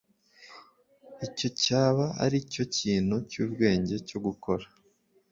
Icyo cyaba aricyo kintu cyubwenge cyo gukora